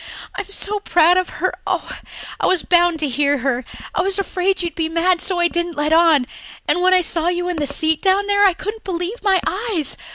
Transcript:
I'm so proud of her. Oh, I was bound to hear her. I was afraid you'd be mad, so I didn't let on and when I saw you in the seat down there I couldn't believe my eyes.